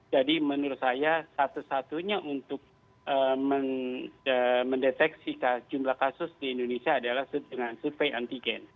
jadi menurut saya satu satunya untuk mendeteksi jumlah kasus di indonesia adalah dengan surveillance antigen